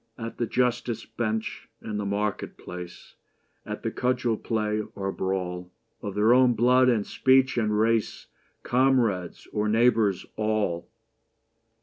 At the justice bench and the market place, At the cudgel play or brawl, Of their own blood and speech and race, Comrades or neighbours all